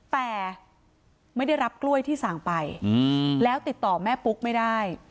แต่ไม่ได้รับกล้วยที่สั่งไปแล้วติดต่อแม่ปุ๊กไม่ได้